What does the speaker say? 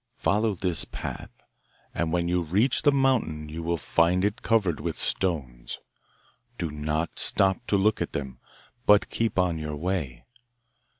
Follow this path, and when you reach the mountain you will find it covered with stones. Do not stop to look at them, but keep on your way.